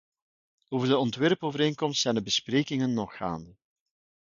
Over de ontwerpovereenkomst zijn de besprekingen nog gaande.